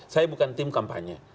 saya bukan tim kampanye